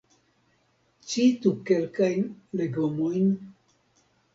Citu kelkajn legomojn?